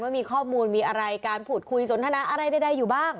ว่ามีข้อมูลมีอะไรการพูดคุยสนทนาอะไรใดอยู่บ้าง